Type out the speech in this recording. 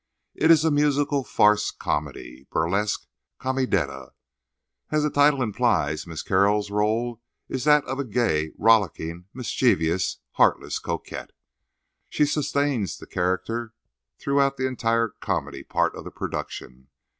It is a musical farce comedy—burlesque comedietta. As the title implies, Miss Carroll's rôle is that of a gay, rollicking, mischievous, heartless coquette. She sustains that character throughout the entire comedy part of the production.